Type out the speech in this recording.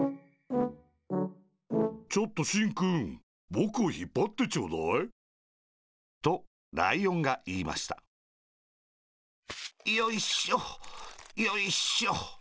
ちょっとしんくんぼくをひっぱってちょうだい。とライオンがいいましたよいしょよいしょ。